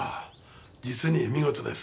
実に見事です。